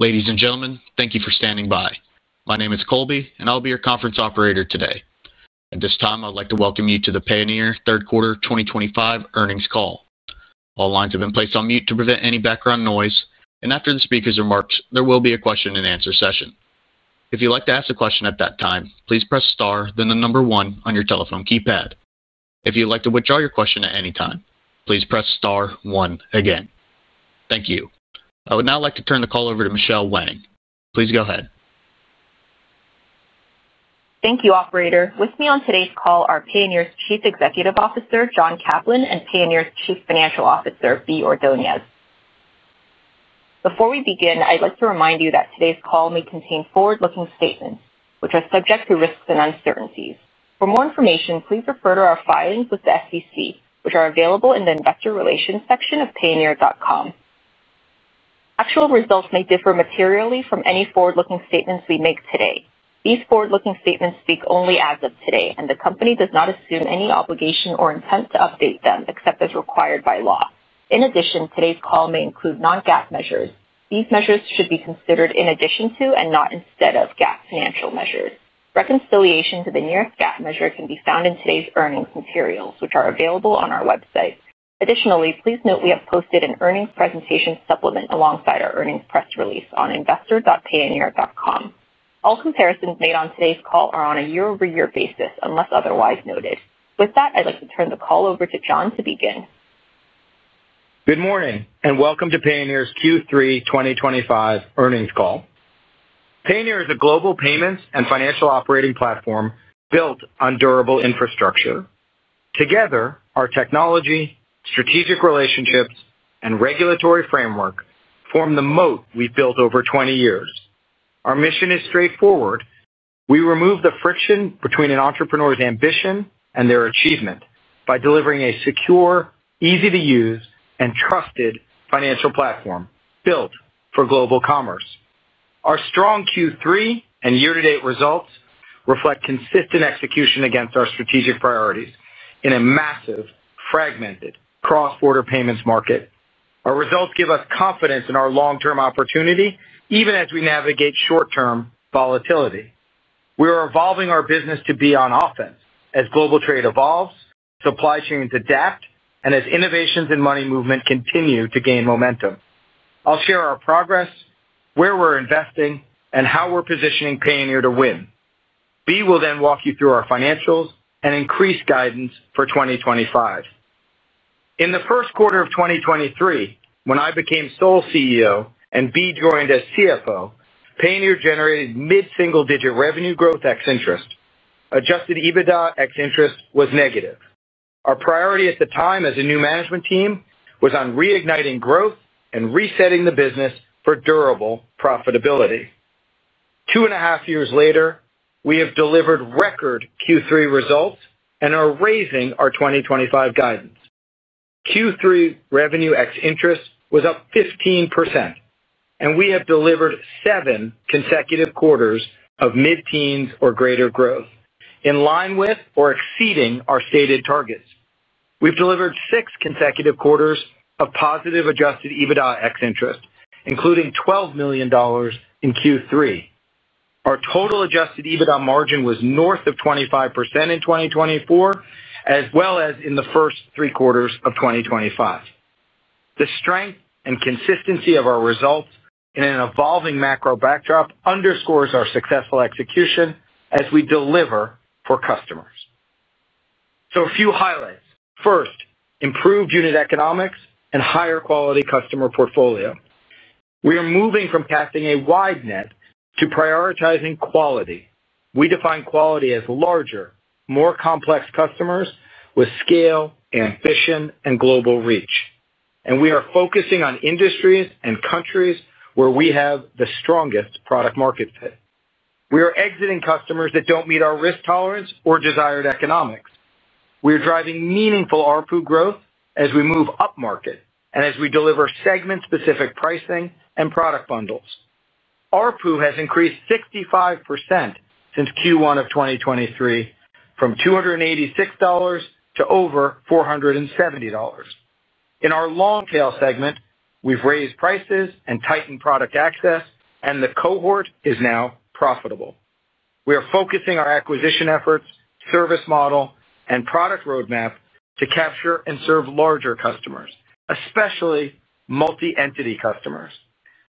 Ladies and gentlemen, thank you for standing by. My name is Colby and I'll be your conference operator today. At this time I'd like to welcome you to the Payoneer third quarter 2025 earnings call. All lines have been placed on mute to prevent any background noise and after the speaker's remarks there will be a question-and-answer session. If you'd like to ask a question at that time, please press star then the number one on your telephone keypad. If you'd like to withdraw your question at any time, please press star one again. Thank you. I would now like to turn the call over to Michelle Wang. Please go ahead. Thank you, operator. With me on today's call are Payoneer's Chief Executive Officer John Caplan and Payoneer's Chief Financial Officer Bea Ordonez. Before we begin, I'd like to remind you that today's call may contain forward-looking statements which are subject to risks and uncertainties. For more information, please refer to our filings with the SEC which are available in the Investor Relations section of payoneer.com. Actual results may differ materially from any forward-looking statements we make today. These forward-looking statements speak only as of today and the company does not assume any obligation or intent to update them except as required by law. In addition, today's call may include non-GAAP measures. These measures should be considered in addition to and not instead of GAAP financial measures. Reconciliation to the nearest GAAP measure can be found in today's earnings materials which are available on our website. Additionally, please note we have posted an earnings presentation supplement alongside our earnings press release on investor.payoneer.com. All comparisons made on today's call are on a year-over-year basis unless otherwise noted. With that, I'd like to turn the call over to John to begin. Good morning and welcome to Payoneer's Q3 2025 earnings call. Payoneer is a global payments and financial operating platform built on durable infrastructure. Together, our technology, strategic relationships, and regulatory framework form the moat we built over 20 years. Our mission is straightforward. We remove the friction between an entrepreneur's ambition and their achievement by delivering a secure, easy to use, and trusted financial platform built for global commerce. Our strong Q3 and year to date results reflect consistent execution against our strategic priorities in a massive, fragmented cross-border payments market. Our results give us confidence in our long-term opportunity. Even as we navigate short-term volatility, we are evolving our business to be on offense. As global trade evolves, supply chains adapt, and as innovations in money movement continue to gain momentum, I'll share our progress, where we're investing, and how we're positioning Payoneer to win. Bea will then walk you through our financials and increase guidance for 2025. In the first quarter of 2023, when I became sole CEO and Bea joined as CFO, Payoneer generated mid-single-digit revenue growth ex interest. Adjusted EBITDA ex interest was negative. Our priority at the time as a new management team was on reigniting growth and resetting the business for durable profitability. Two and a half years later we have delivered record Q3 results and are raising our 2025 guidance. Q3 revenue ex interest was up 15% and we have delivered seven consecutive quarters of mid-teens or greater growth in line with or exceeding our stated targets. We have delivered six consecutive quarters of positive adjusted EBITDA ex interest including $12 million in Q3. Our total adjusted EBITDA margin was north of 25% in 2024 as well as in the first three quarters of 2025. The strength and consistency of our results in an evolving macro backdrop underscores our successful execution as we deliver for customers. A few highlights. First, improved unit economics and higher quality customer portfolio. We are moving from casting a wide net to prioritizing quality. We define quality as larger, more complex customers with scale, ambition, and global reach, and we are focusing on industries and countries where we have the strongest product market fit. We are exiting customers that do not meet our risk tolerance or desired economics. We are driving meaningful ARPU growth as we move upmarket and as we deliver segment-specific pricing and product bundles. ARPU has increased 65% since Q1 2023 from $286 to over $470. In our long tail segment, we have raised prices and tightened product access, and the cohort is now profitable. We are focusing our acquisition efforts, service model and product roadmap to capture and serve larger customers, especially multi-entity customers.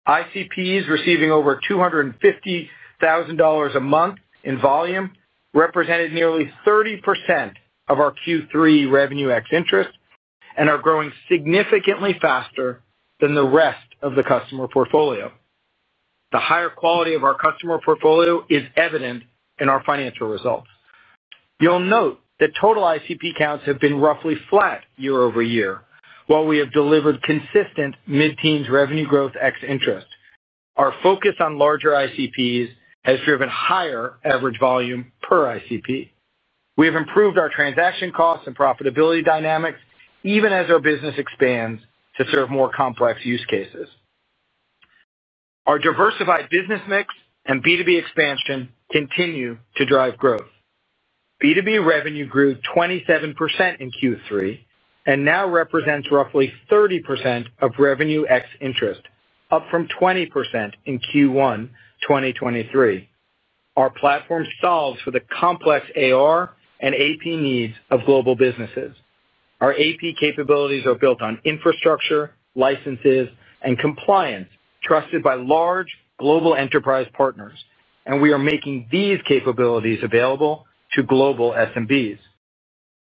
ICPs receiving over $250,000 a month in volume represented nearly 30% of our Q3 revenue ex interest and are growing significantly faster than the rest of the customer portfolio. The higher quality of our customer portfolio is evident in our financial results. You'll note that total ICP counts have been roughly flat year-over-year. While we have delivered consistent mid-teens revenue growth ex interest, our focus on larger ICPs has driven higher average volume per ICP. We have improved our transaction costs and profitability dynamics even as our business expands to serve more complex use cases. Our diversified business mix and B2B expansion continue to drive growth. B2B revenue grew 27% in Q3 and now represents roughly 30% of revenue ex interest, up from 20% in Q1 2023. Our platform solves for the complex AR and AP needs of global businesses. Our AP capabilities are built on infrastructure licenses and compliance trusted by large global enterprise partners, and we are making these capabilities available to global SMBs.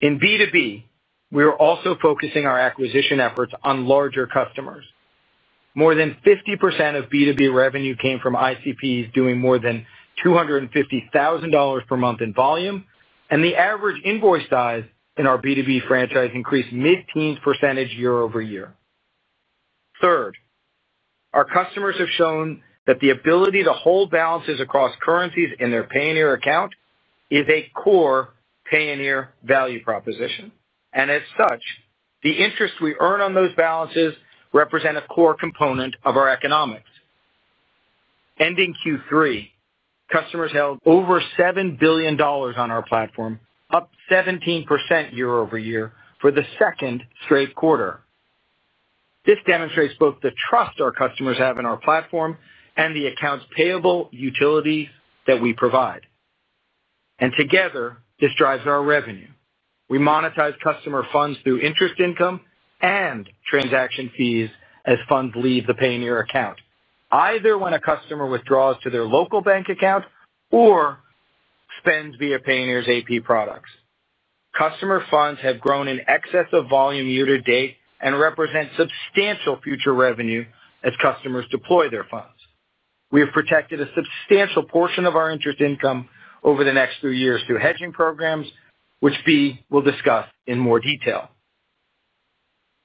In B2B, we are also focusing our acquisition efforts on larger customers. More than 50% of B2B revenue came from ICPs doing more than $250,000 per month in volume and the average invoice size in our B2B franchise increased mid-teens percentage year-over-year. Third, our customers have shown that the ability to hold balances across currencies in their Payoneer Account is a core Payoneer value proposition and as such, the interest we earn on those balances represent a core component of our economics. Ending Q3 customers held over $7 billion on our platform, up 17% year-over-year for the second straight quarter. This demonstrates both the trust our customers have in our platform and the accounts payable utility that we provide, and together this drives our revenue. We monetize customer funds through interest income and transaction fees as funds leave the Payoneer Account either when a customer withdraws to their local bank account or spends via Payoneer's AP products. Customer funds have grown in excess of volume year to date and represent substantial future revenue as customers deploy their funds. We have protected a substantial portion of our interest income over the next few years through hedging programs, which Bea will discuss in more detail.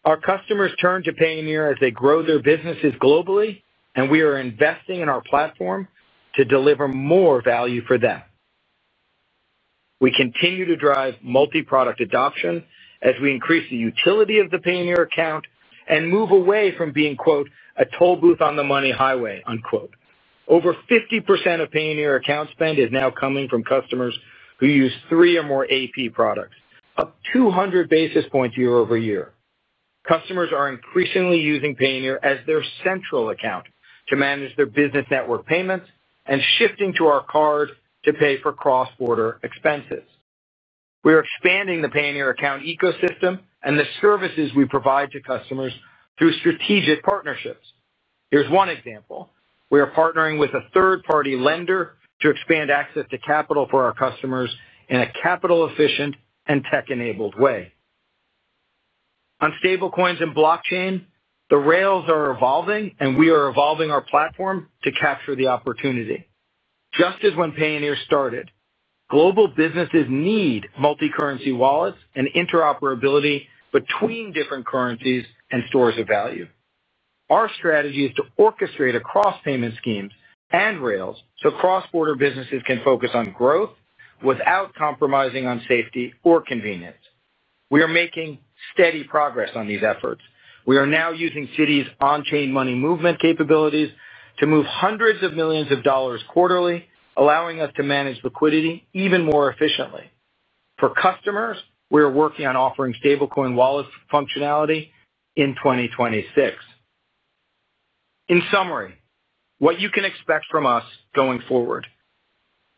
Our customers turn to Payoneer as they grow their businesses globally and we are investing in our platform to deliver more value for them. We continue to drive multiproduct adoption as we increase the utility of the Payoneer Account and move away from being, "a toll booth on the money highway". Over 50% of Payoneer Account spend is now coming from customers who use three or more AP products, up 200 basis points year-over-year. Customers are increasingly using Payoneer as their central account to manage their business network payments and shifting to our card to pay for cross-border expenses. We are expanding the Payoneer Account ecosystem and the services we provide to customers through strategic partnerships. Here's one example. We are partnering with a third-party lender to expand access to capital for our customers in a capital-efficient and tech-enabled way. On stablecoins and blockchain, the rails are evolving and we are evolving our platform to capture the opportunity just as when Payoneer started. Global businesses need multi-currency wallets and interoperability between different currencies and stores of value. Our strategy is to orchestrate across payment schemes and rails so cross-border businesses can focus on growth without compromising on safety or convenience. We are making steady progress on these efforts. We are now using Citi's on-chain money movement capabilities to move hundreds of millions of dollars quarterly, allowing us to manage liquidity even more efficiently. For customers, we are working on offering stablecoin wallet functionality in 2026. In summary, what you can expect from us going forward: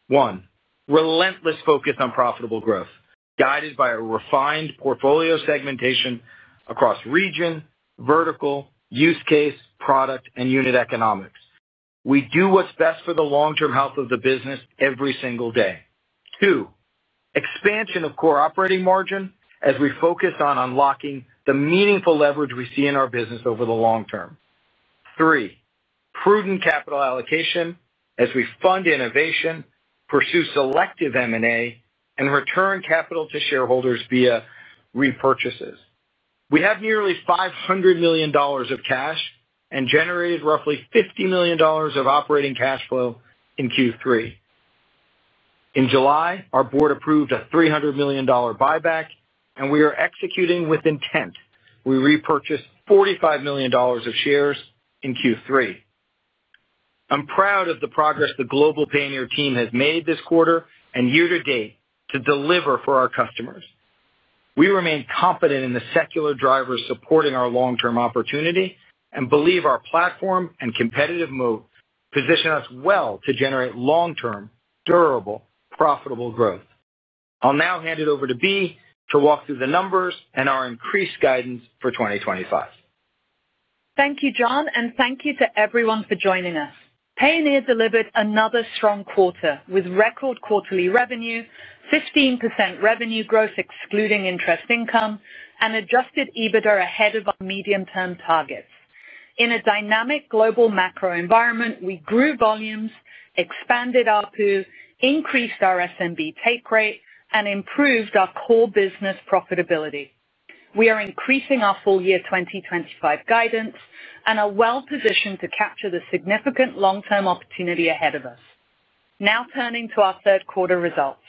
one, relentless focus on profitable growth guided by a refined portfolio, segmentation across region, vertical use case, product, and unit economics. We do what's best for the long-term health of the business every single day. Two, expansion of core operating margin as we focus on unlocking the meaningful leverage we see in our business over the long-term. Three, prudent capital allocation as we fund innovation, pursue selective M&A and return capital to shareholders via repurchases. We have nearly $500 million of cash and generated roughly $50 million of operating cash flow in Q3. In July our Board approved a $300 million buyback and we are executing with intent. We repurchased $45 million of shares in Q3. I'm proud of the progress the global Payoneer team has made this quarter and year to date to deliver for our customers. We remain confident in the secular drivers supporting our long-term opportunity and believe our platform and competitive moat position us well to generate long-term durable profitable growth. I'll now hand it over to Bea to walk through the numbers and our increased guidance for 2025. Thank you John and thank you to everyone for joining us. Payoneer delivered another strong quarter with record quarterly revenue, 15% revenue growth excluding interest income and adjusted EBITDA ahead of our medium term targets. In a dynamic global macro environment, we grew volumes, expanded ARPU, increased our SMB take rate and improved our core business profitability. We are increasing our full year 2025 guidance and are well-positioned to capture the significant long-term opportunity ahead of us. Now turning to our third quarter results,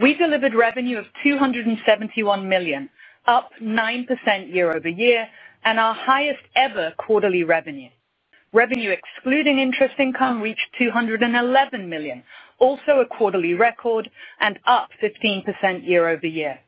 we delivered revenue of $271 million, up 9% year-over-year and our highest ever quarterly revenue. Revenue excluding interest income reached $211 million, also a quarterly record and up 15% year-over-year.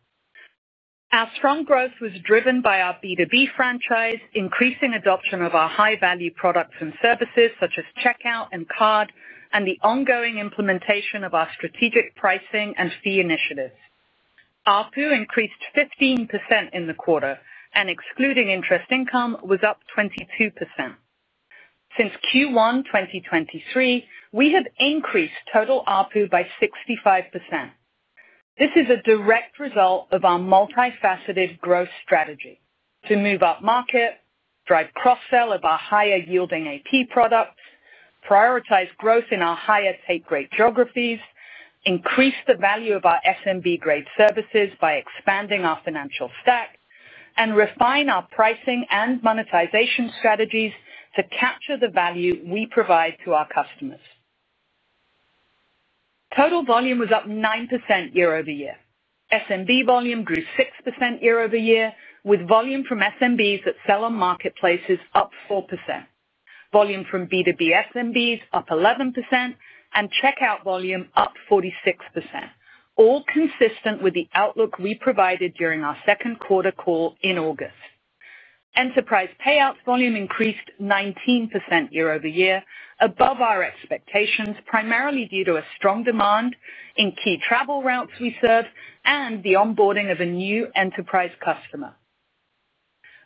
Our strong growth was driven by our B2B franchise increasing adoption of our high value products and services such as Checkout and card and the ongoing implementation of our strategic pricing and fee initiatives. ARPU increased 15% in the quarter and excluding interest income was up 22%. Since Q1 2023 we have increased total ARPU by 65%. This is a direct result of our multifaceted growth strategy to move up market, drive cross sell of our higher yielding AP products, prioritize growth in our higher take rate geographies, increase the value of our SMB grade services by expanding our financial stack, and refine our pricing and monetization strategies to capture the value we provide to our customers. Total volume was up 9% year-over-year. SMB volume grew 6% year-over-year with volume from SMBs that sell on marketplaces up 4%, volume from B2B SMBs up 11%, and Checkout volume up 46%, all consistent with the outlook we provided during our second quarter call in August. Enterprise payouts volume increased 19% year-over-year above our expectations primarily due to strong demand in key travel routes we serve and the onboarding of a new enterprise customer.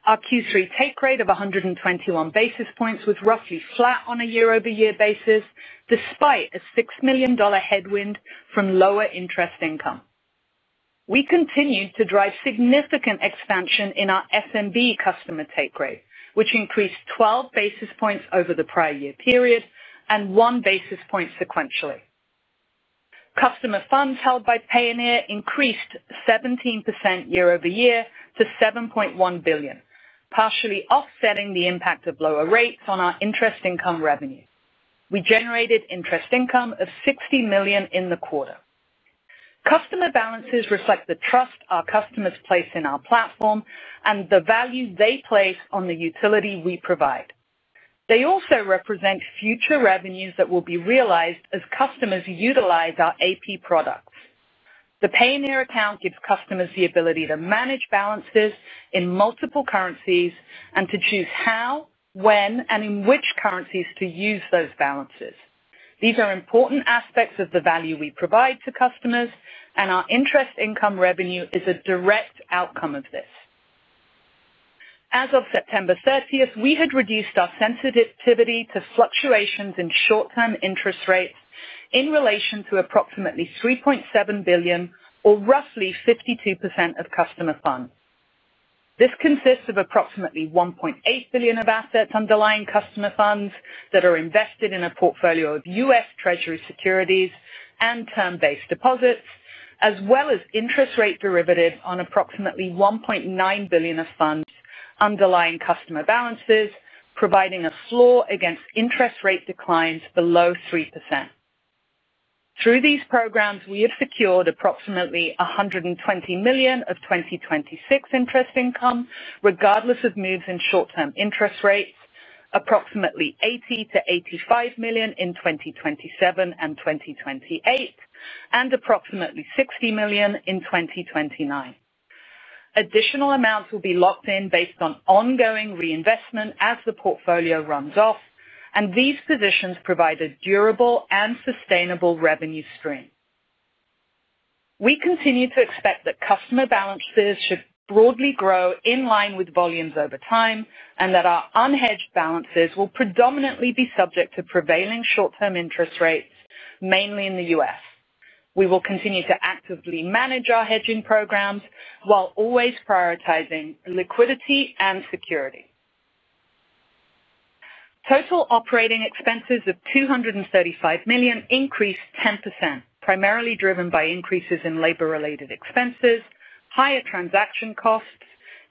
Our Q3 take rate of 121 basis points was roughly flat on a year-over-year basis despite a $6 million headwind from lower interest income. We continued to drive significant expansion in our SMB customer take rate, which increased 12 basis points over the prior year period and 1 basis point sequentially. Customer funds held by Payoneer increased 17% year-over-year to $7.1 billion, partially offsetting the impact of lower rates on our interest income revenue. We generated interest income of $60 million in the quarter. Customer balances reflect the trust our customers place in our platform and the value they place on the utility we provide. They also represent future revenues that will be realized as customers utilize our AP products. The Payoneer Account gives customers the ability to manage balances in multiple currencies and to choose how, when, and in which currencies to use those balances. These are important aspects of the value we provide to customers and our interest income revenue is a direct outcome of this. As of September 30, we had reduced our sensitivity to fluctuations in short-term interest rates in relation to approximately $3.7 billion or roughly 52% of customer funds. This consists of approximately $1.8 billion of assets underlying customer funds that are invested in a portfolio of U.S. Treasury securities and term-based deposits as well as interest rate derivatives on approximately $1.9 billion of funds underlying customer balances, providing a floor against interest rate declines below 3%. Through these programs we have secured approximately $120 million of 2026 interest income regardless of moves in short-term interest rates, approximately $80 million-$85 million in 2027 and 2028, and approximately $60 million in 2029. Additional amounts will be locked in based on ongoing reinvestment as the portfolio runs off and these positions provide a durable and sustainable revenue stream. We continue to expect that customer balances should broadly grow in line with volumes over time and that our unhedged balances will predominantly be subject to prevailing short-term interest rates, mainly in the U.S. We will continue to actively manage our hedging programs while always prioritizing liquidity and security. Total operating expenses of $235 million increased 10%, primarily driven by increases in labor-related expenses, higher transaction costs,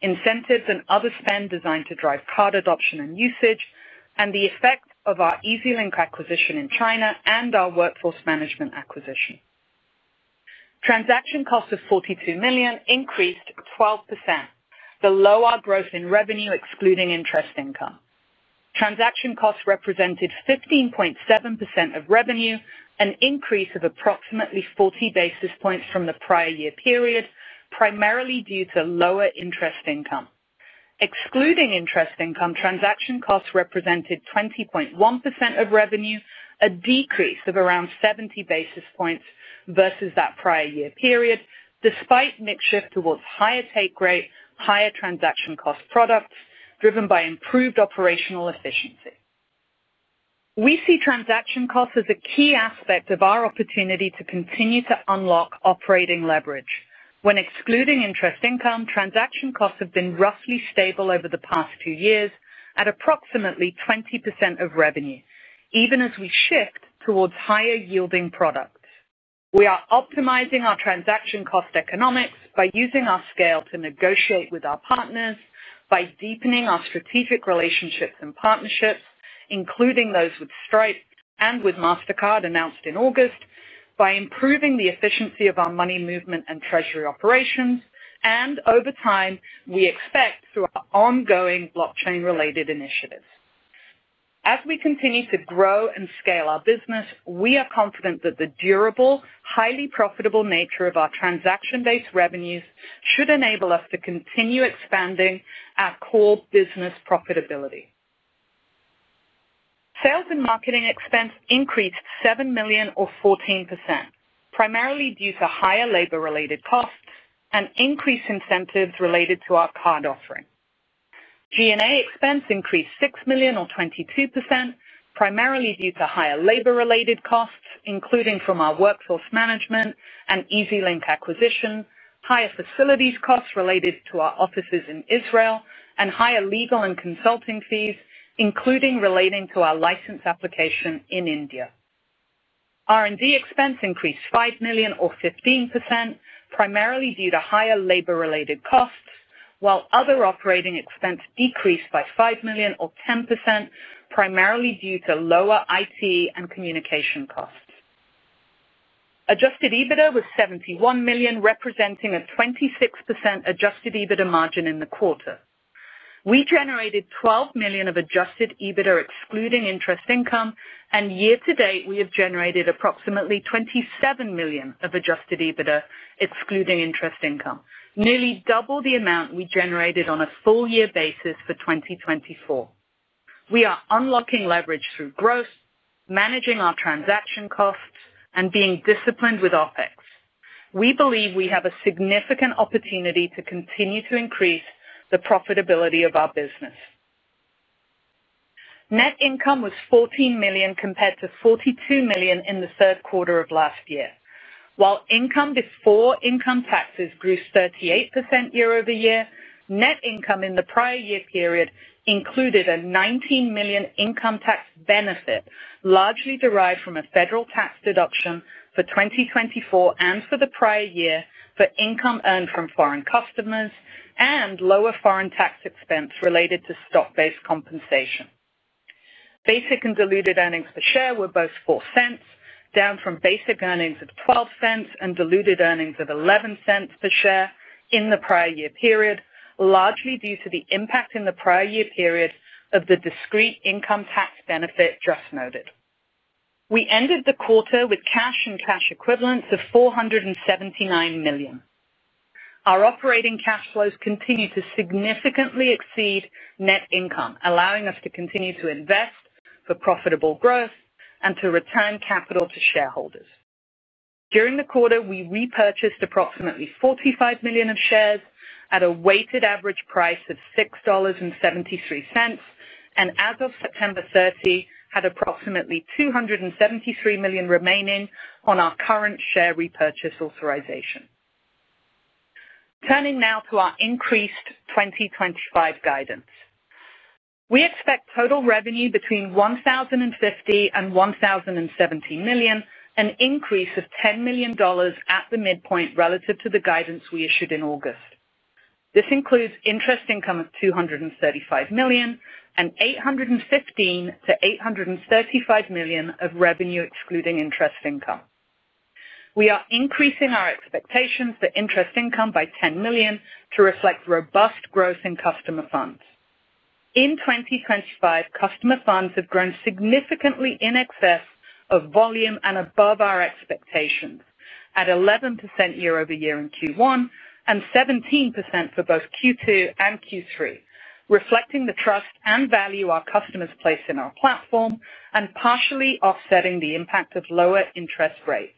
incentives and other spend designed to drive card adoption and usage, and the effect of our Easylink acquisition in China and our workforce management acquisition. Transaction cost of $42 million increased 12%, below our growth in revenue excluding interest income. Transaction costs represented 15.7% of revenue, an increase of approximately 40 basis points from the prior year period, primarily due to lower interest income. Excluding interest income, transaction costs represented 20.1% of revenue, a decrease of around 70 basis points versus that prior year period despite mix shift towards higher take rate, higher transaction cost products driven by improved operational efficiency. We see transaction costs as a key aspect of our opportunity to continue to unlock operating leverage. When excluding interest income, transaction costs have been roughly stable over the past two years at approximately 20% of revenue even as we shift towards higher yielding products. We are optimizing our transaction cost economics by using our scale to negotiate with our partners, by deepening our strategic relationships and partnerships including those with Stripe and with Mastercard announced in August, by improving the efficiency of our money movement and treasury operations and over time we expect through our ongoing blockchain related initiatives. As we continue to grow and scale our business, we are confident that the durable, highly profitable nature of our transaction-based revenues should enable us to continue expanding our core business profitability. Sales and marketing expense increased $7 million or 14% primarily due to higher labor-related costs and increased incentives related to our card offering. G&A expense increased $6 million or 22% primarily due to higher labor-related costs including from our workforce management and Easylink acquisition, higher facilities costs related to our offices in Israel, and higher legal and consulting fees including relating to our license application in India. R&D expense increased $5 million or 15% primarily due to higher labor-related costs while other operating expense decreased by $5 million or 10% primarily due to lower IT and communication costs. Adjusted EBITDA was $71 million representing a 26% adjusted EBITDA margin in the quarter. We generated $12 million of adjusted EBITDA excluding interest income and year to date we have generated approximately $27 million of adjusted EBITDA excluding interest income, nearly double the amount we generated on a full year basis for 2024. We are unlocking leverage through growth, managing our transaction costs and being disciplined with OpEx, we believe we have a significant opportunity to continue to increase the profitability of our business. Net income was $14 million compared to $42 million in the third quarter of last year, while income before income taxes grew 38% year-over-year. Net income in the prior year period included a $19 million income tax benefit, largely derived from a federal tax deduction for 2024 and for the prior year for income earned from foreign customers and lower foreign tax expense related to stock-based compensation. Basic and diluted earnings per share were both $0.04, down from basic earnings of $0.12 and diluted earnings of $0.11 per share in the prior year period, largely due to the impact in the prior year period of the discrete income tax benefit just noted. We ended the quarter with cash and cash equivalents of $479 million. Our operating cash flows continue to significantly exceed net income, allowing us to continue to invest for profitable growth and to return capital to shareholders. During the quarter we repurchased approximately $45 million of shares at a weighted average price of $6.73 and as of September 30 had approximately $273 million remaining on our current share repurchase authorization. Turning now to our increased 2025 guidance, we expect total revenue between $1,050 million and $1,017 million, an increase of $10 million at the midpoint relative to the guidance we issued in August. This includes interest income of $235 million and $815 million-$835 million of revenue excluding interest income. We are increasing our expectations for interest income by $10 million to reflect robust growth in customer funds. In 2025, customer funds have grown significantly in excess of volume and above our expectations at 11% year-over-year in Q1 and 17% for both Q2 and Q3, reflecting the trust and value our customers place in our platform and partially offsetting the impact of lower interest rates.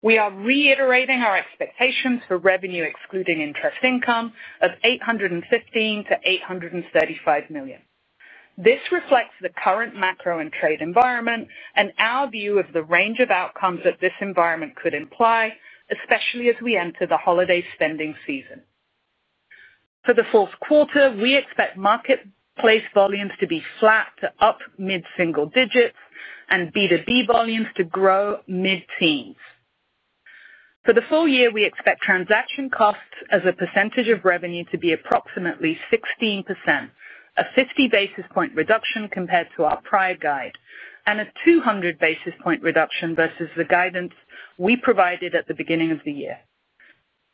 We are reiterating our expectations for revenue excluding interest income of $815 million-$835 million. This reflects the current macro and trade environment and our view of the range of outcomes that this environment could imply, especially as we enter the holiday spending season. For the fourth quarter, we expect market volumes, place volumes to be flat to up mid single digits and B2B volumes to grow mid-teens. For the full year, we expect transaction costs as a percentage of revenue to be approximately 16%, a 50 basis point reduction compared to our prior guide and a 200 basis point reduction versus the guidance we provided at the beginning of the year.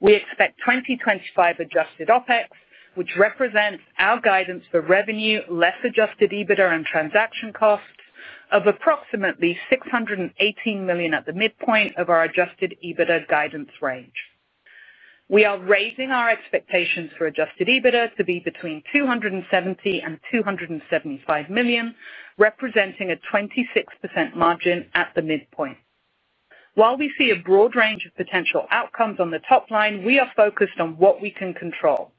We expect 2025 adjusted OpEx, which represents our guidance for revenue less adjusted EBITDA and transaction costs, of approximately $618 million at the midpoint of our adjusted EBITDA guidance range. We are raising our expectations for adjusted EBITDA to be between $270 million and $275 million, representing a 26% margin at the midpoint. While we see a broad range of potential outcomes on the top line, we are focused on what we can control.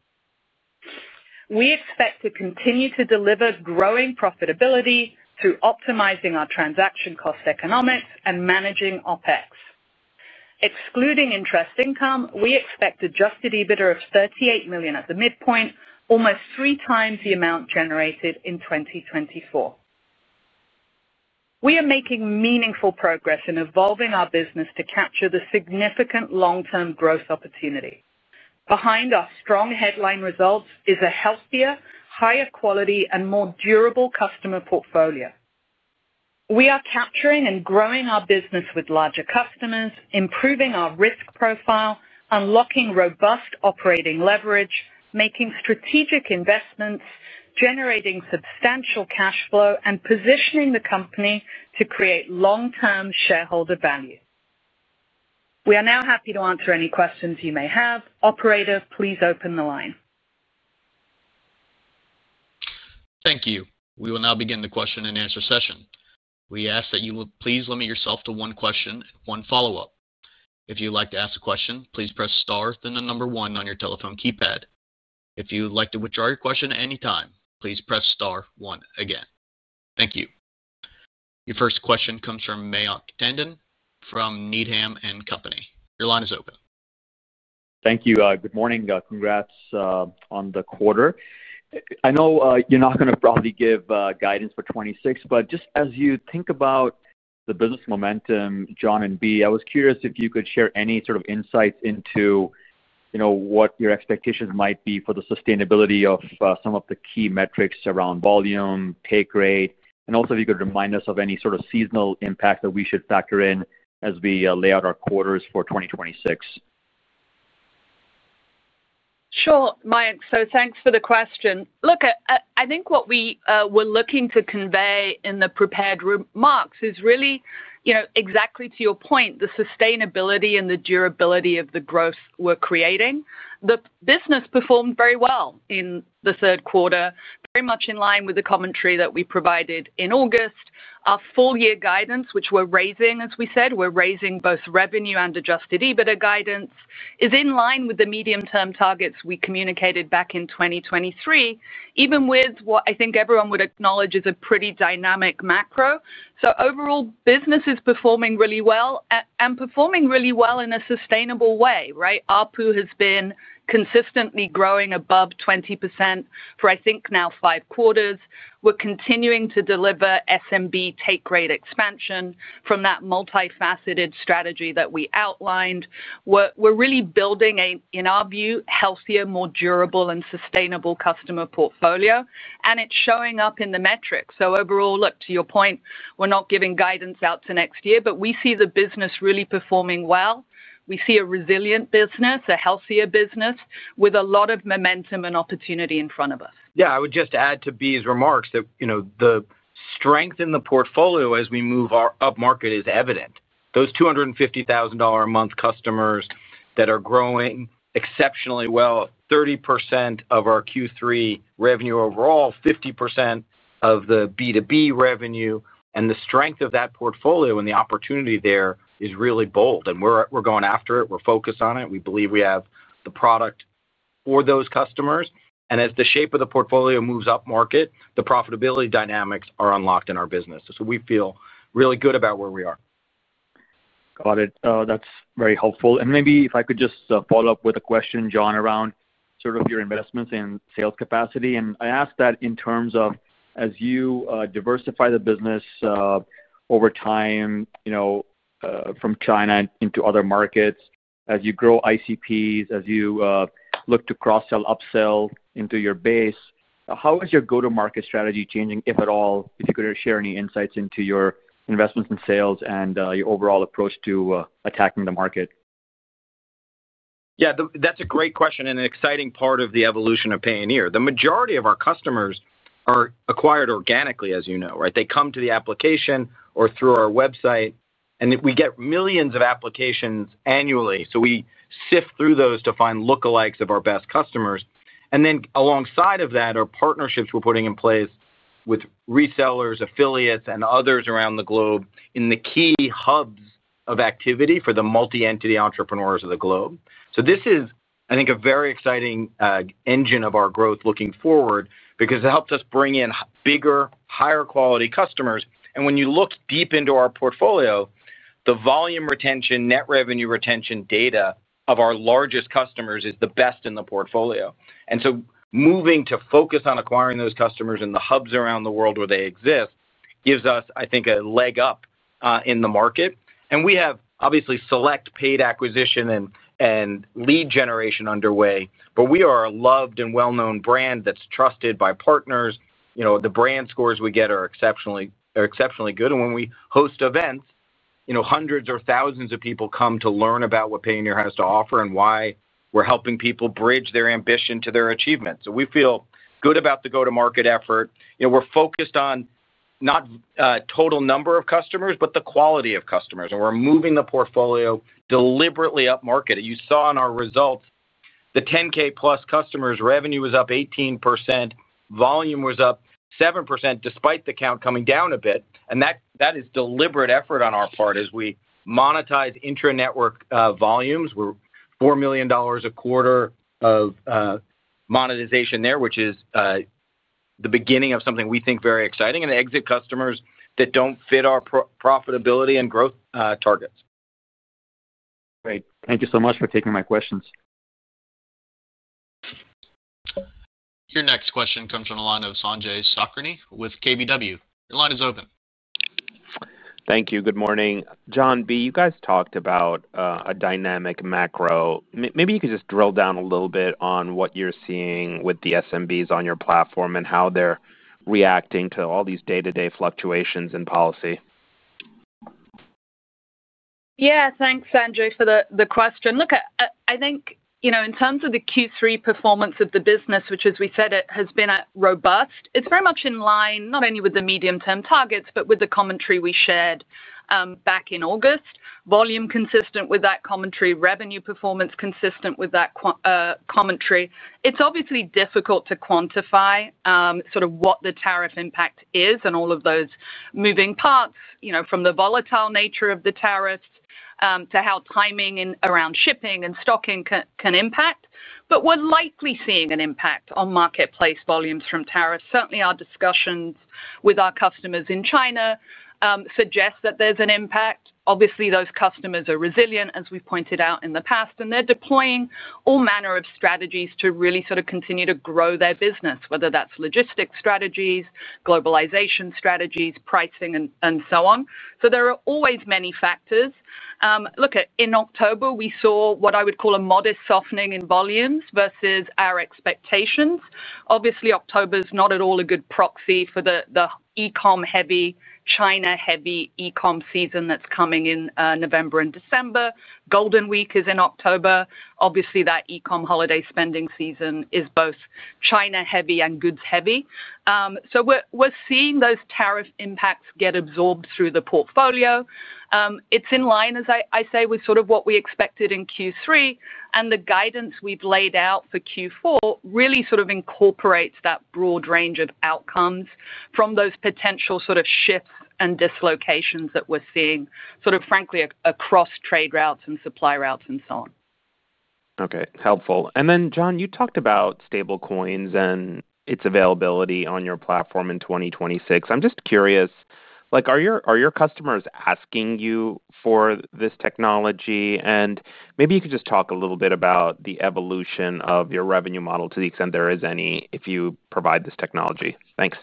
We expect to continue to deliver growing profitability through optimizing our transaction cost economics and managing OpEx. Excluding interest income, we expect adjusted EBITDA of $38 million at the midpoint, almost 3x the amount generated in 2024. We are making meaningful progress in evolving our business to capture the significant long-term growth opportunity. Behind our strong headline results is a healthier, higher quality and more durable customer portfolio. We are capturing and growing our business with larger customers, improving our risk profile, unlocking robust operating leverage, making strategic investments, generating substantial cash flow and positioning the company to create long-term shareholder value. We are now happy to answer any questions you may have. Operator, please open the line. Thank you. We will now begin the question-and-answer session. We ask that you please limit yourself to one question, one follow-up. If you would like to ask a question, please press star then the number one on your telephone keypad. If you would like to withdraw your question at any time, please press star one again. Thank you. Your first question comes from Mayank Tandon from Needham & Company. Your line is open. Thank you. Good morning. Congrats on the quarter. I know you're not going to probably give guidance for 2026, but just as you think about the business momentum, John and Bea, I was curious if you could share any sort of insights into what your expectations might be for the sustainability of some of the key metrics around volume, take rate and also if you could remind us of any sort of seasonal impact that we should factor in as we lay out our quarters for 2026. Sure, Mayank, so thanks for the question. Look, I think what we were looking to convey in the prepared remarks is really exactly to your point. The sustainability and the durability of the growth we're creating. The business performed very well in the third quarter. Very much in line with the commentary that we provided in August. Our full year guidance, which we're raising, as we said, we're raising both revenue and adjusted EBITDA guidance, is in line with the medium-term targets we communicated back in 2023, even with what I think everyone would acknowledge is a pretty dynamic macro. Overall, business is performing really well and performing really well in a sustainable way. Right. ARPU has been consistently growing above 20% for I think now five quarters. We're continuing to deliver SMB take rate expansion from that multifaceted strategy that we outlined. We're really building a, in our view, healthier, more durable and sustainable customer portfolio and it's showing up in the metrics. Overall, look, to your point, we're not giving guidance out to next year, but we see the business really performing well. We see a resilient business, a healthier business with a lot of momentum and opportunity in front of us. Yeah, I would just add to Bea's remarks that the strength in the portfolio as we move up market is evident. Those $250,000 a month customers that are growing exceptionally well, 30% of our Q3 revenue overall, 50% of the B2B revenue. The strength of that portfolio and the opportunity there is really bold and we're going after it, we're focused on it. We believe we have the product for those customers and as the shape of the portfolio moves up market, the profitability dynamics are unlocked in our business. We feel really good about where we are. Got it. That's very helpful. Maybe if I could just follow up with a question, John, around sort of your investments in sales capacity, and I ask that in terms of as you diversify the business over time from China into other markets, as you grow ICPs, as you look to cross-sell, upsell into your base, how is your go-to-market strategy changing, if at all? If you could share any insights into your investments in sales and your overall approach to attacking the market. Yeah, that's a great question and an exciting part of the evolution of Payoneer. The majority of our customers are acquired organically, as you know. Right. They come to the application or through our website, and we get millions of applications annually. We sift through those to find lookalikes of our best customers. Alongside of that are partnerships we're putting in place with resellers, affiliates, and others around the globe in the key hubs of activity for the multi-entity entrepreneurs of the globe. I think this is a very exciting engine of our growth looking forward because it helps us bring in bigger, higher quality customers. When you look deep into our portfolio, the volume retention and net revenue retention data of our largest customers is the best in the portfolio. Moving to focus on acquiring those customers in the hubs around the world where they exist gives us, I think, a leg up in the market. We have obviously select paid acquisition and lead generation underway. We are a loved and well-known brand that's trusted by partners. The brand scores we get are exceptionally good. When we host events, hundreds or thousands of people come to learn about what Payoneer has to offer and why we're helping people bridge their ambition to their achievements. We feel good about the go-to-market effort. We're focused on not total number of customers, but the quality of customers. We're moving the portfolio deliberately upmarket. You saw in our results, the 10,000+ customers revenue was up 18%, volume was up 7% despite the count coming down a bit. That is deliberate effort on our part. As we monetize intra network volumes, we're $4 million a quarter of monetization there, which is the beginning of something we think very exciting and exit customers that do not fit our profitability and growth targets. Great. Thank you so much for taking my questions. Your next question comes from the line of Sanjay Sakhrani with KBW. Your line is open. Thank you. Good morning, John, Bea. You guys talked about a dynamic macro. Maybe you could just drill down a little bit on what you're seeing with the SMBs on your platform and how they're reacting to all these day-to-day fluctuations in policy. Yeah, thanks Sanjay for the question. Look, I think in terms of the Q3 performance of the business, which as we said it has been robust, it's very much in line not only with the medium term targets, but with the commentary we shared back in August. Volume consistent with that commentary, revenue performance consistent with that commentary. It's obviously difficult to quantify what the tariff impact is and all of those moving parts, you know, from the volatile nature of the tariffs to how timing around shipping and stocking can impact. We're likely seeing an impact on marketplace volumes from tariffs. Certainly our discussions with our customers in China suggest that there's an impact. Obviously those customers are resilient as we've pointed out in the past, and they're deploying all manner of strategies to really sort of continue to grow their business. Whether that's looking at logistics strategies, globalization strategies, pricing and so on. There are always many factors. Look, in October we saw what I would call a modest softening in volumes versus our expectations. Obviously, October is not at all a good proxy for the E Com heavy, China heavy E Com season that's coming in November and December. Golden Week is in October. Obviously, that E Com holiday spending season is both China heavy and goods heavy. We're seeing those tariff impacts get absorbed through the portfolio. It's in line, as I say, with what we expected in Q3, and the guidance we've laid out for Q4 really sort of incorporates that broad range of outcomes from those potential sort of shifts and dislocations that we're seeing frankly across trade routes and supply routes and so on. Okay, helpful. John, you talked about stablecoins and its availability on your platform in 2026. I'm just curious, are your customers asking you for this technology? Maybe you could just talk a little bit about the evolution of your revenue model to the extent there is any if you provide this technology. Thanks.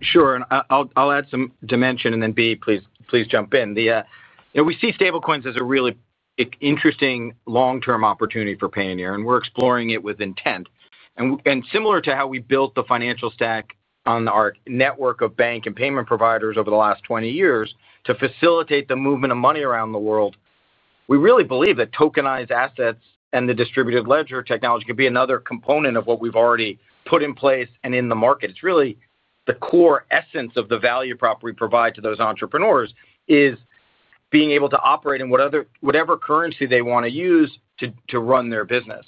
Sure. I'll add some dimension and then Bea, please jump in. We see stablecoins as a really interesting long-term opportunity for Payoneer and we're exploring it with intent. Similar to how we built the financial stack on our network of bank and payment providers over the last 20 years to facilitate the movement of money around the world, we really believe that tokenized assets and the distributed ledger technology could be another component of what we've already put in place and in the market. It's really the core essence of the value prop we provide to those entrepreneurs is being able to operate in whatever currency they want to use to run their business.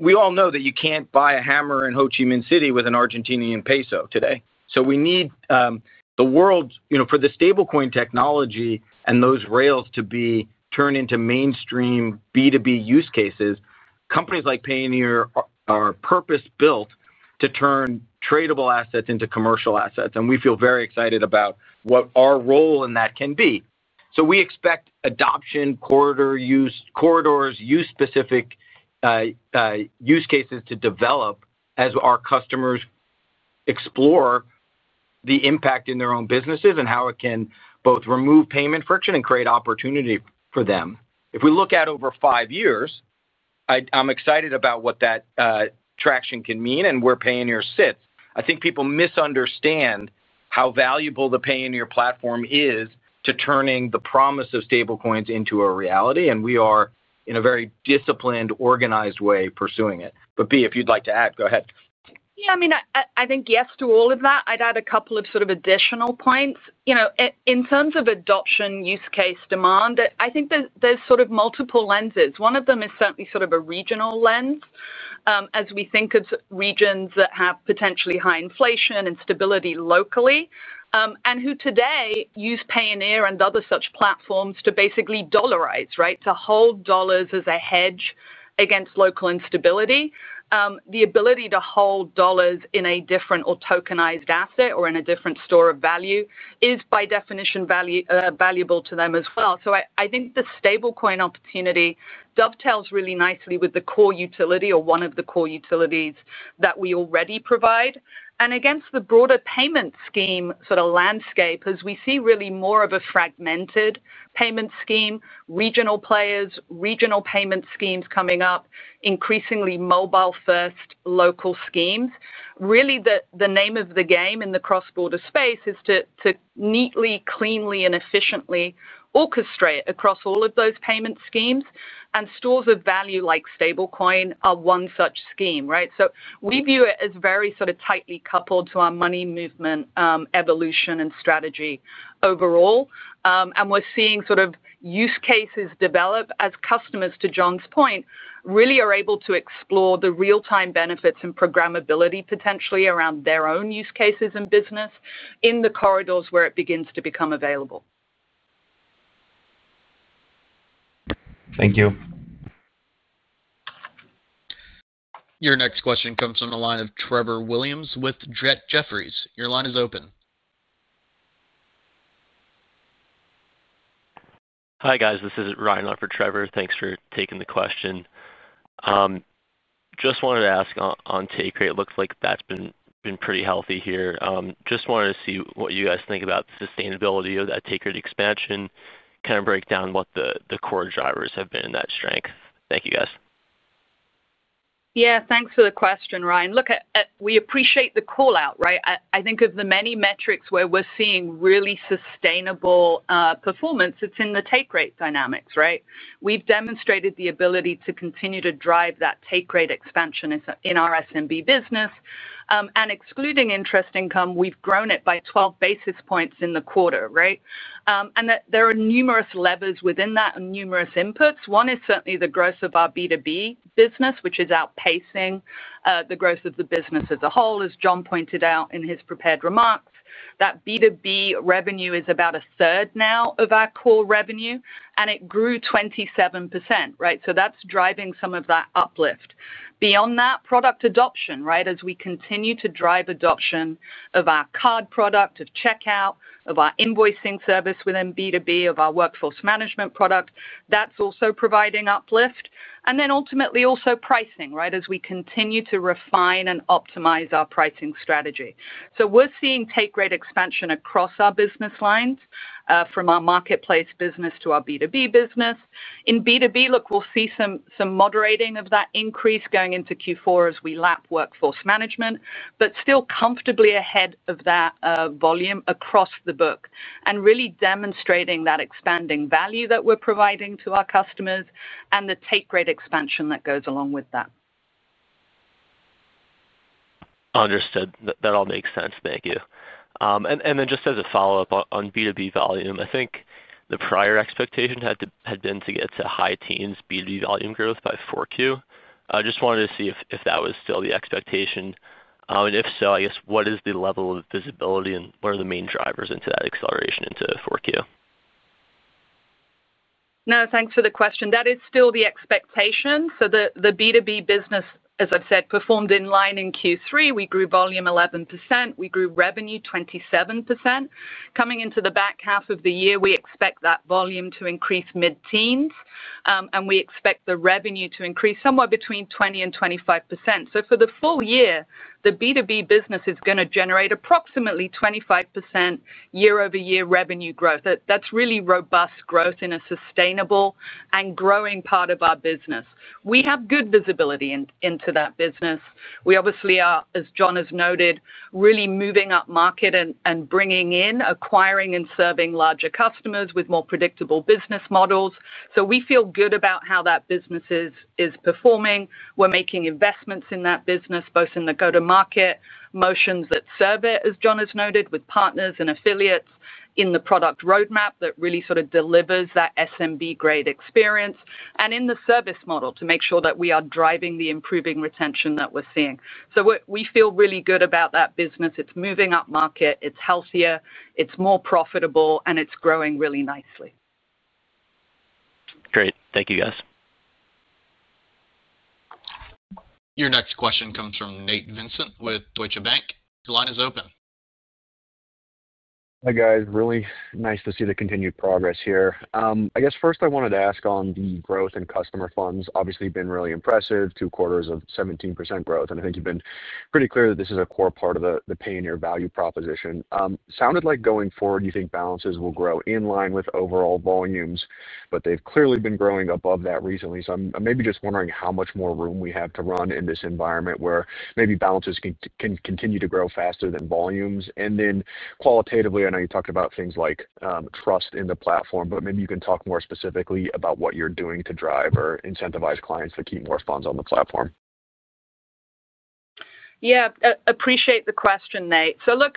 We all know that you can't buy a hammer in Ho Chi Minh City with an Argentinian peso today. We need the world for the stablecoin technology and those rails to be turned into mainstream B2B use cases. Companies like Payoneer are purpose built to turn tradable assets into commercial assets and we feel very excited about what our role in that can be. We expect adoption corridors, use specific use cases to develop as our customers explore the impact in their own businesses and how it can both remove payment friction and create opportunity for them. If we look at over five years, I'm excited about what that traction can mean and where Payoneer sits. I think people misunderstand how valuable the Payoneer platform is to turning the promise of stablecoins into a reality, and we are in a very disciplined, organized way pursuing it. Bea, if you'd like to add, go ahead. Yeah, I mean, I think yes, to all of that. I'd add a couple of sort of additional points in terms of adoption use case demand. I think there's sort of multiple lenses. One of them is certainly sort of a regional lens as we think of regions that have potentially high inflation and stability locally and who today use Payoneer and other such platforms to basically dollarize to hold dollars as a hedge against local instability. The ability to hold dollars in a different or tokenized asset or in a different store of value is by definition valuable to them as well. I think the stablecoin opportunity dovetails really nicely with the core utility or one of the core utilities that we already provide and against the broader payment scheme sort of landscape as we see really more of a fragmented payment scheme, regional players, regional payment schemes coming up, increasingly mobile first local schemes. Really the name of the game in the cross-border space is to neatly, cleanly and efficiently orchestrate across all of those payment schemes. Stores of value like stablecoin are one such scheme. We view it as very sort of tightly coupled to our money movement evolution and strategy overall. We are seeing sort of use cases develop as customers, to John's point, really are able to explore the real-time benefits and programmability potentially around their own use cases and business in the corridors where it begins to become available. Thank you. Your next question comes from the line of Trevor Williams with Jefferies. Your line is open. Hi guys, this is Ryan on for Trevor. Thanks for taking the question. Just wanted to ask on take rate. It looks like that's been pretty healthy here. Just wanted to see what you guys think about sustainability of that take rate expansion. Kind of break down what the core drivers have been in that strength. Thank you guys. Yeah, thanks for the question, Ryan. Look, we appreciate the call out, right? I think of the many metrics where we're seeing really sustainable performance, it's in the take rate dynamics, right? We've demonstrated the ability to continue to drive that take rate expansion in our SMB business. Excluding interest income, we've grown it by 12 basis points in the quarter. Right. There are numerous levers within that and numerous inputs. One is certainly the growth of our B2B business which is outpacing the growth of the business as a whole. As John pointed out in his prepared remarks, that B2B revenue is about 1/3 now of our core revenue and it grew 27%. Right. That's driving some of that uplift beyond that product adoption. Right, as we continue to drive adoption of our card product, of Checkout, of our invoicing service within B2B, of our workforce management product, that's also providing uplifting and then ultimately also pricing, right, as we continue to refine and optimize our pricing strategy. We are seeing take rate expansion across our business lines from our marketplace business to our B2B business. In B2B, look, we will see some moderating of that increase going into Q4 as we lap workforce management, but still comfortably ahead of that volume across the book and really demonstrating that expanding value that we are providing to our customers and the take rate expansion that goes along with that. Understood. That all makes sense. Thank you. Just as a follow up on B2B volume, I think the prior expectation had been to get to high teens B2B volume growth by 4Q. I just wanted to see if that was still the expectation and if so I guess what is the level of visibility and what are the main drivers into that acceleration into 4Q. No, thanks for the question. That is still the expectation. The B2B business, as I've said, performed in line in Q3. We grew volume 11%. We grew revenue 27%. Coming into the back half of the year, we expect that volume to increase mid-teens and we expect the revenue to increase somewhere between 20% and 25%. For the full year, the B2B business is going to generate approximately 25% year-over-year revenue growth. That is really robust growth in a sustainable and growing part of our business. We have good visibility into that business. We obviously are, as John has noted, really moving up market and bringing in, acquiring, and serving larger customers with more predictable business models. We feel good about how that business is performing. We're making investments in that business both in the go-to-market motions that serve it, as John has noted with partners and affiliates, in the product roadmap that really sort of delivers that SMB grade experience, and in the service model to make sure that we are driving the improving retention that we're seeing. We feel really good about that business. It's moving up market, it's healthier, it's more profitable, and it's growing really nicely. Great. Thank you guys. Your next question comes from Nate Svensson with Deutsche Bank. The line is open. Hi guys. Really nice to see the continued progress here. I guess first I wanted to ask on the growth in customer funds, obviously been really impressive. Two quarters of 17% growth and I think you've been pretty clear that this is a core part of the Payoneer value proposition. Sounded like going forward you think balances will grow in line with overall volumes, but they've clearly been growing above that recently. So I'm maybe just wondering how much more room we have to run in this environment where maybe balances can continue to grow faster than volumes. I know you talked about things like trust in the platform, but maybe you can talk more specifically about what you're doing to drive or incentivize clients to keep more funds on the platform. Yeah, appreciate the question, Nate. Look,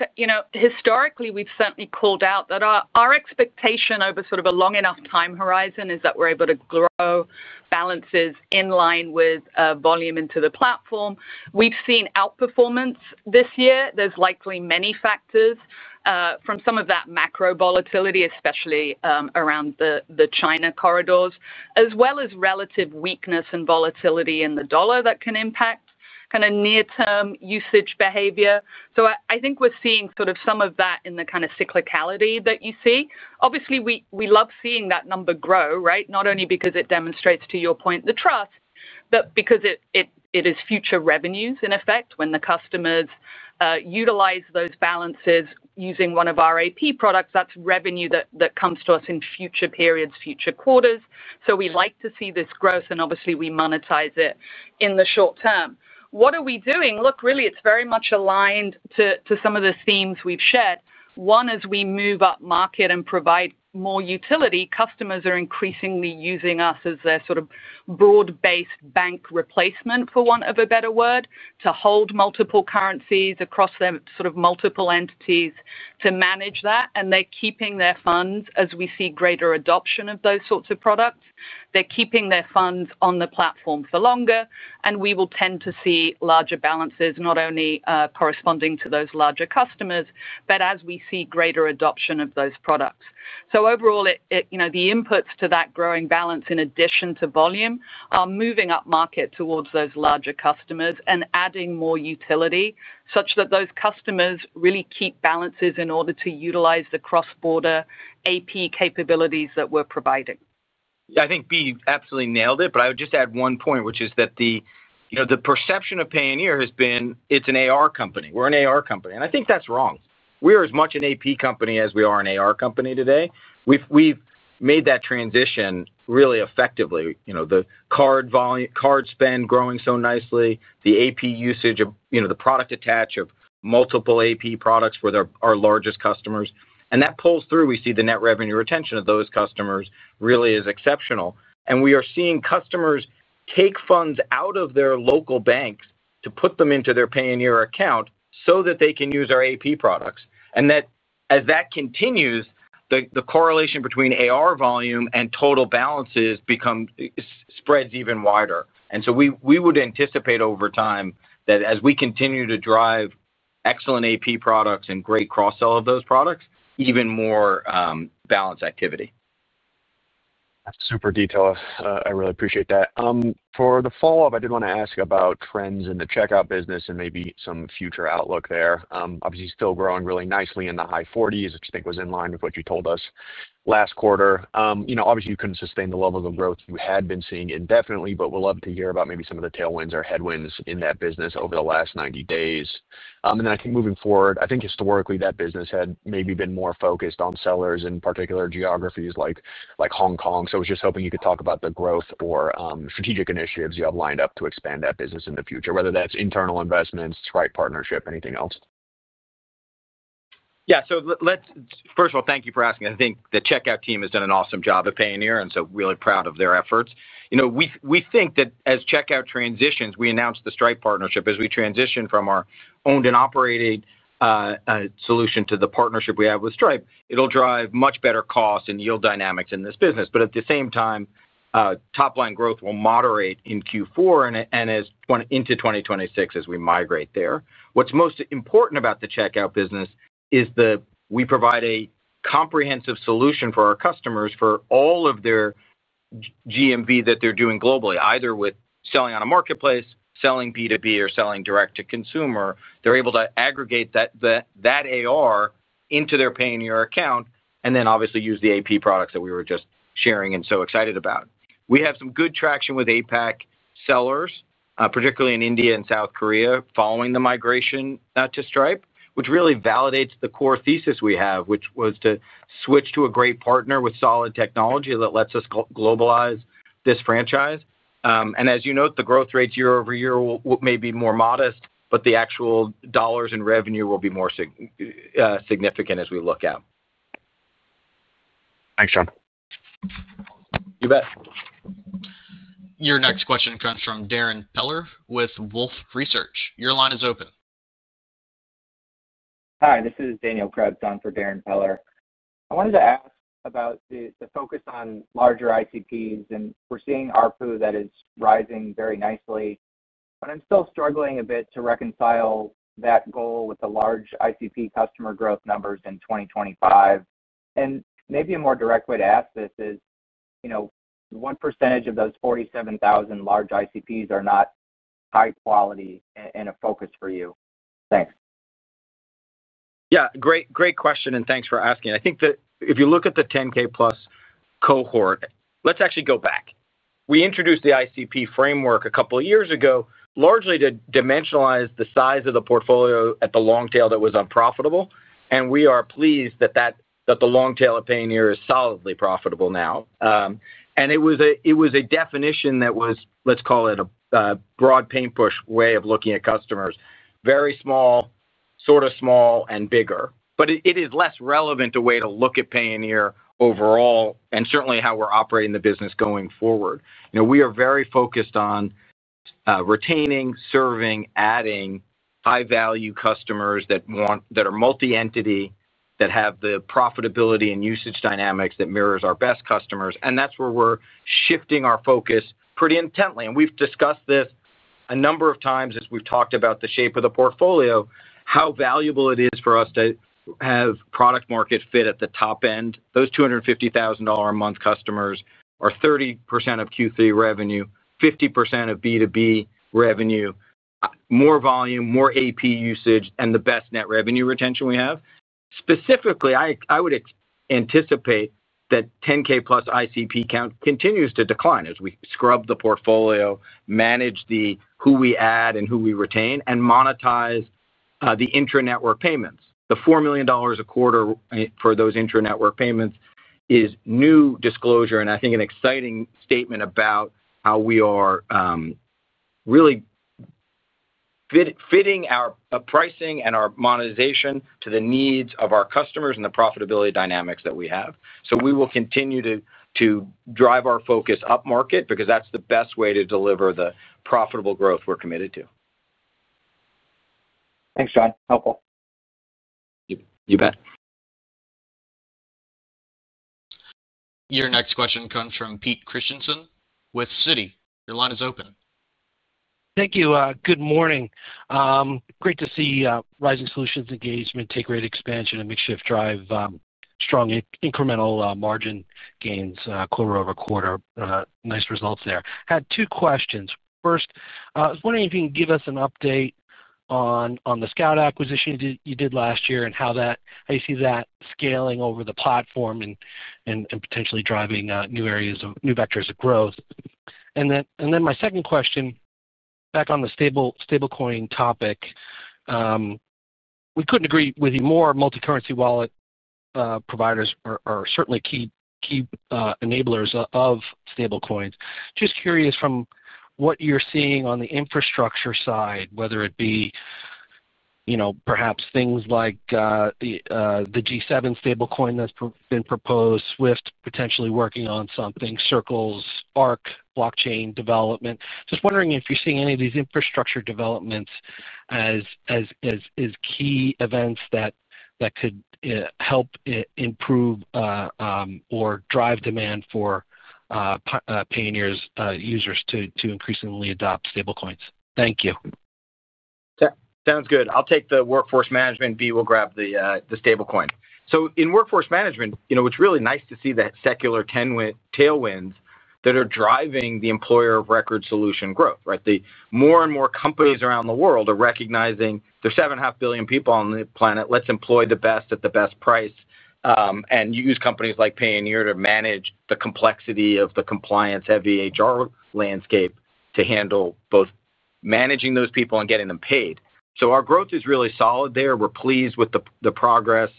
historically we've certainly called out that our expectation over sort of a long enough time horizon is that we're able to grow balances in line with volume into the platform. We've seen outperformance this year. There's likely many factors from some of that macro volatility, especially around the China corridors, as well as relative weakness and volatility in the dollar that can impact kind of near-term usage behavior. I think we're seeing sort of some of that in the kind of cyclicality that you see. Obviously we love seeing that number grow, right? Not only because it demonstrates, to your point, the trust, but because it is future revenues in effect. When the customers utilize those balances using one of our AP products, that's revenue that comes to us in future periods, future quarters. We like to see this growth and obviously we monetize it in the short-term. What are we doing? Look, really it's very much aligned to some of the themes we've shared. One, as we move up market and provide more utility, customers are increasingly using us as their sort of broad-based bank replacement, for want of a better word, to hold multiple currencies across them, sort of multiple entities to manage that. They're keeping their funds. As we see greater adoption of those sorts of products, they're keeping their funds on the platform for longer. We will tend to see larger balances not only corresponding to those larger customers, but as we see greater adoption of those products. Overall, the inputs to that growing balance in addition to volume, are moving upmarket towards those larger customers and adding more utility such that those customers really keep balances in order to utilize the cross-border AP capabilities that we're providing. I think Bea absolutely nailed it. I would just add one point, which is that the perception of Payoneer has been it's an AR company, we're an AR company, and I think that's wrong. We are as much an AP company as we are an AR company. Today we've made that transition really effectively. The card spend growing so nicely. The AP usage of the product attach of multiple AP products for our largest customers, and that pulls through. We see the net revenue retention of those customers really is exceptional. We are seeing customers take funds out of their local banks to put them into their Payoneer Account so that they can use our AP products. As that continues, the correlation between AR volume and total balances spreads even wider. We would anticipate over time that as we continue to drive excellent AP products and great cross-sell of those products, even more balance activity. That is super detailed. I really appreciate that. For the follow up, I did want to ask about trends in the Checkout business and maybe some future outlook there. Obviously, still growing really nicely in the high 40% which I think was in line with what you told us last quarter. Obviously, you could not sustain the levels of growth you had been seeing indefinitely. I would love to hear about maybe some of the tailwinds or headwinds in that business over the last 90 days moving forward. I think historically that business had maybe been more focused on sellers in particular geographies like Hong Kong. I was just hoping you could talk about the growth or strategic initiatives you have lined up to expand that business. The future, whether that's internal investments, Stripe partnership, anything else? Yeah. First of all, thank you for asking. I think the Checkout team has done an awesome job at Payoneer and so really proud of their efforts. You know, we think that as Checkout transitions, we announced the Stripe partnership as we transition from our owned and operated solution to the partnership we have with Stripe. It'll drive much better cost and yield dynamics in this business. At the same time, top line growth will moderate in Q4 and into 2026 as we migrate there. What's most important about the Checkout business is that we provide a comprehensive solution for our customers for all of their GMV that they're doing globally. Either with selling on a marketplace, selling B2B or selling direct to consumer. They're able to aggregate that AR into their Payoneer Account and then obviously use the AP products that we were just sharing and so excited about. We have some good traction with APAC sellers, particularly in India and South Korea following the migration to Stripe, which really validates the core thesis we have which was to switch to a great partner with solid technology that lets us globalize this franchise. As you note the growth rates year-over-year may be more modest, but the actual dollars in revenue will be more significant as we look out. Thanks, John. You bet. Your next question comes from Darrin Peller with Wolfe Research. Your line is open. Hi, this is Daniel Krebs on for Darrin Peller. I wanted to ask about the focus on larger ICPs. We're seeing ARPU that is rising very nicely. I am still struggling a bit to reconcile that goal with the large ICP customer growth numbers in 2025. Maybe a more direct way to ask this is, you know, what percentage of those 47,000 large ICPs are not high quality and a focus for you. Thanks. Yeah, great, great question and thanks for asking. I think that if you look at the 10,000+ cohort, let's actually go back. We introduced the ICP framework a couple years ago largely to dimensionalize the size of the portfolio at the long tail that was unprofitable. We are pleased that the long tail at Payoneer is solidly profitable. Now it was a definition that was, let's call it a broad paint push way of looking at customers very small, sort of small and bigger. It is less relevant a way to look at Payoneer overall and certainly how we are operating the business going forward. We are very focused on retaining, serving, adding high value customers that are multi-entity, that have the profitability and usage dynamics that mirrors our best customers. That is where we are shifting our focus pretty intently. We have discussed this a number of times as we have talked about the shape of the portfolio, how valuable it is for us to have product market fit at the top end. Those $250,000 a month customers are 30% of Q3 revenue, 50% of B2B revenue, more volume, more AP usage and the best net revenue retention we have. Specifically, I would anticipate that 10,000+ ICP count continues to decline as we scrub the portfolio, manage who we add and who we retain and monetize the intra network payments. The $4 million a quarter for those intra network payments is new disclosure and I think an exciting statement about how we are really fitting our pricing and our monetization to the needs of our customers and the profitability dynamics that we have. We will continue to drive our focus upmarket because that's the best way to deliver the profitable growth we're committed to. Thanks, John. Helpful. You bet. Your next question comes from Pete Christiansen with Citi. Your line is open. Thank you. Good morning. Great to see rising solutions engagement, take rate expansion, and makeshift drive strong incremental margin gains quarter-over-quarter. Nice results there. I had two questions. First, I was wondering if you can give us an update on the Scout acquisition you did last year and how you see that scaling over the platform and potentially driving new areas of new vectors of growth. My second question back on the stablecoin topic, we could not agree with you more. Multi-currency wallet providers are certainly key enablers of stablecoins. Just curious from what you are seeing on the infrastructure side, whether it be, you know, perhaps things like the G7 stablecoin that has been proposed, SWIFT potentially working on something, Circle's Spark blockchain development. Just wondering if you are seeing any of these infrastructure developments as key events that could help improve or drive demand for Payoneer's users to increasingly adopt stablecoins. Thank you. Sounds good. I will take the workforce management, Bea will grab the stablecoin. In workforce management, it is really nice to see the secular tailwinds that are driving the employer of record solution growth. More and more companies around the world are recognizing there are 7.5 billion people on the planet. Let's employ the best at the best price and use companies like Payoneer to manage the complexity of the compliance-heavy HR landscape to handle both managing those people and getting them paid. Our growth is really solid there. We're pleased with the progress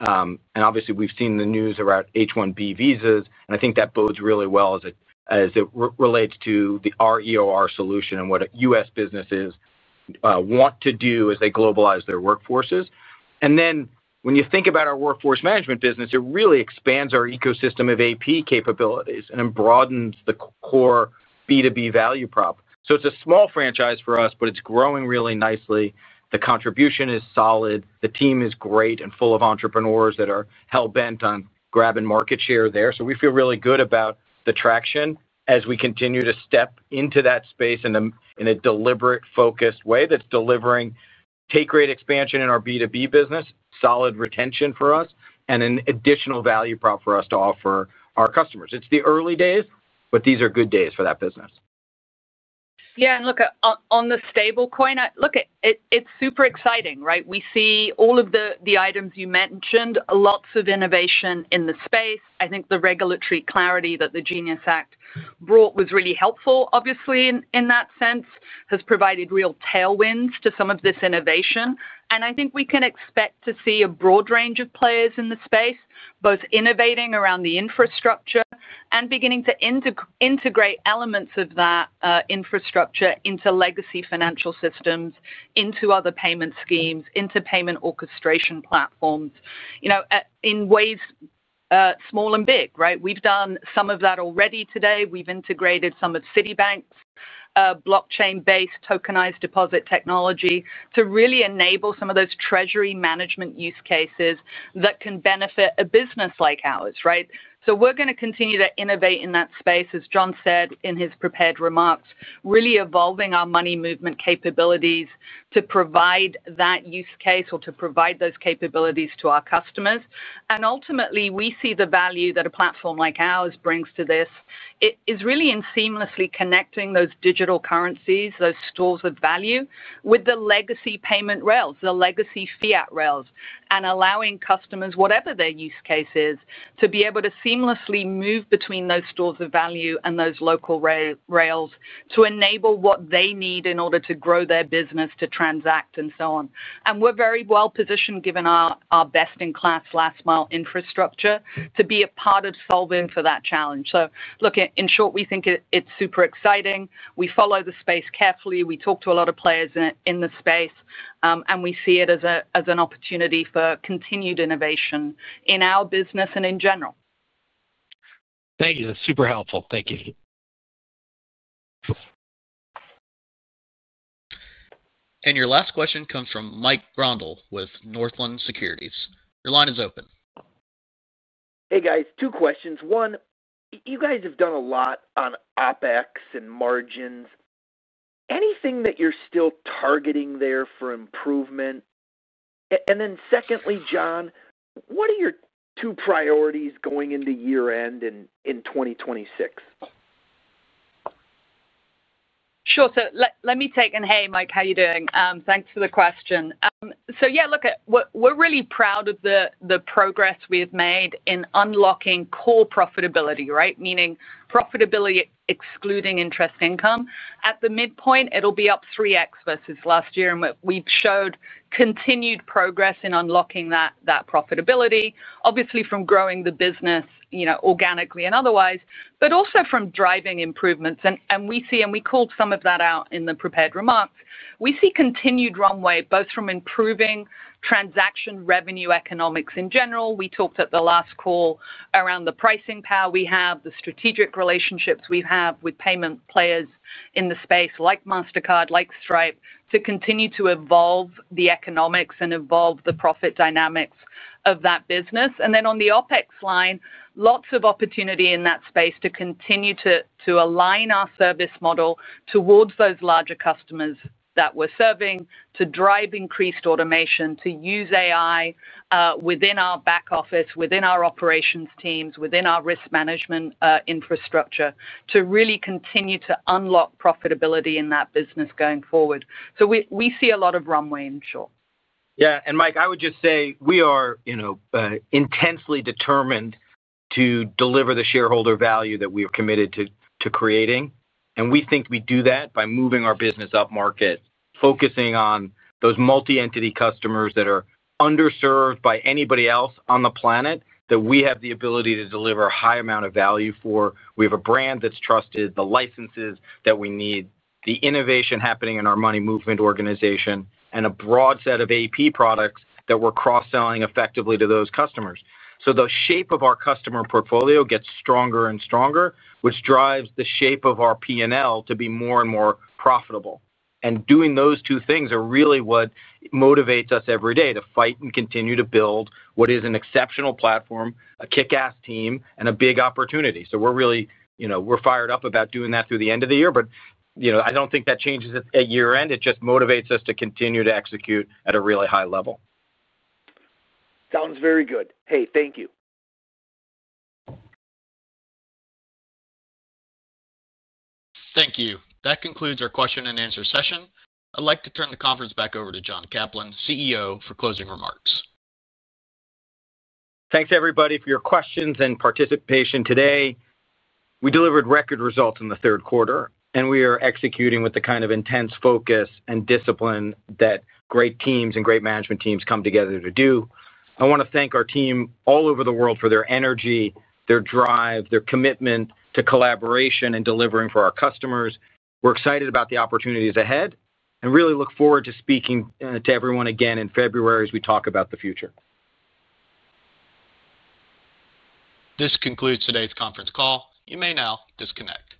and obviously we've seen the news around H-1B visas and I think that bodes really well as it relates to the [REOR] solution and what U.S. businesses want to do as they globalize their workforces. When you think about our workforce management business, it really expands our ecosystem of AP capabilities and broadens the core B2B value prop. It's a small franchise for us, but it's growing really nicely. The contribution is solid, the team is great and full of entrepreneurs that are hell bent on grabbing market share there. We feel really good about the traction as we continue to step into that space in a deliberate, focused way that's delivering take rate expansion in our B2B business. Solid retention for us and an additional value prop for us to offer our customers. It's the early days, but these are good days for that business. Yeah and look on the stablecoin look, it's super exciting right? We see all of the items you mentioned. Lots of innovation in the space. I think the regulatory clarity that the GENIUS Act brought was really helpful. Obviously in that sense has provided real tailwinds to some of this innovation. I think we can expect to see a broad range of players in the space both innovating around the infrastructure and beginning to integrate elements of that infrastructure into legacy financial systems, into other payment schemes, into payment orchestration platforms, you know, in ways small and big. Right. We've done some of that already today. We've integrated some of Citi bank blockchain-based tokenized deposit technology to really enable some of those treasury management use cases that can benefit a business like ours. Right. We're going to continue to innovate in that space, as John said in his prepared remarks, really evolving our money movement capabilities to provide that use case or to provide those capabilities to our customers. Ultimately, we see the value that a platform like ours brings to this is really in seamlessly connecting those digital currencies, those stores of value with the legacy payment rails, the legacy fiat rails, and allowing customers, whatever their use case is, to be able to seamlessly move between those stores of value and those local rails to enable what they need in order to grow their business, to transact and so on. We are very well-positioned, given our best in class last mile infrastructure, to be a part of solving for that challenge. In short, we think it is super exciting. We follow the space carefully, we talk to a lot of players in the space, and we see it as an opportunity for continued innovation in our business and in general. Thank you, that's super helpful. Thank you. Your last question comes from Mike Grondahl with Northland Securities. Your line is open. Hey guys, two questions. One, you guys have done a lot on OpEx and margins. Anything that you're still targeting there for improvement? Secondly, John, what are your two priorities going into year end in 2026? Sure. Let me take, and hey Mike, how are you doing? Thanks for the question. Yeah, look, we're really proud of the progress we have made in unlocking core profitability. Right, meaning profitability excluding interest income. At the midpoint, it'll be up 3x versus last year. We've showed continued progress in unlocking that profitability, obviously from growing the business organically and otherwise, but also from driving improvements. We see, and we called some of that out in the prepared remarks, we see continued runway both from improving transaction revenue economics in general. We talked at the last call around the pricing power we have, the strategic relationships we have with payments players in the space like Mastercard, like Stripe, to continue to evolve the economics and evolve the profit dynamics of that business. On the OpEx line, lots of opportunity in that space to continue to align our service model towards those larger customers that we're serving, to drive increased automation, to use AI within our back office, within our operations teams, within our risk management infrastructure, to really continue to unlock profitability in that business going forward. We see a lot of runway, in short. Yeah. Mike, I would just say we are intensely determined to deliver the shareholder value that we are committed to creating. We think we do that by moving our business upmarket, focusing on those multi-entity customers that are underserved by anybody else on the planet that we have the ability to deliver a high amount of value for. We have a brand that's trusted, the licenses that we need, the innovation happening in our money movement organization, and a broad set of AP products that we're cross selling effectively to those customers. The shape of our customer portfolio gets stronger and stronger, which drives the shape of our P&L to be more and more profitable. Doing those two things are really what motivates us every day to fight and continue to build what is an exceptional platform, a kick ass team and a big opportunity. We are really, you know, we are fired up about doing that through the end of the year. You know, I do not think that changes at year end. It just motivates us to continue to execute at a really high level. Sounds very good. Hey, thank you. Thank you. That concludes our question-and-answer session. I would like to turn the conference back over to John Caplan, CEO, for closing remarks. Thanks everybody for your questions and participation today. We delivered record results in the third quarter and we are executing with the kind of intense focus and discipline that great teams and great management teams come together to do. I want to thank our team all over the world for their energy, their drive, their commitment to collaboration and delivering for our customers. We're excited about the opportunities ahead and really look forward to speaking to everyone again in February as we talk about the future. This concludes today's conference call. You may now disconnect.